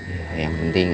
ya yang penting